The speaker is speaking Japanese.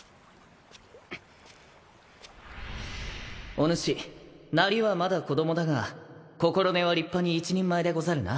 おぬしなりはまだ子供だが心根は立派に一人前でござるな